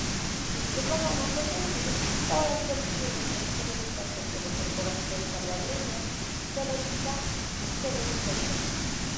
Dicho programa fue producido bajo licencia de Televisa por Telecorporación Salvadoreña, Teletica y Televicentro.